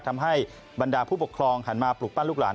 ทำให้บรรดาผู้ปกครองหันมาปลูกปั้นลูกหลาน